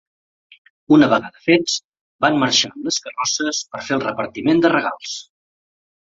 Una vegada fets, van marxar amb les carrosses per fer el repartiment de regals.